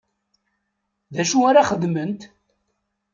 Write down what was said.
D acu ara xedment?